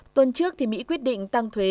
tuần trước mỹ quyết định tăng thuế